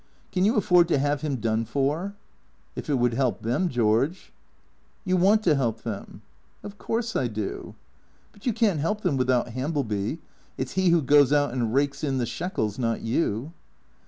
" Can you afford to have him done for ?"" If it would help them, George." " You want to help them ?"" Of course I do." " But you can't help them without Hambleby. It 's he who goes out and rakes in the shekels, not you."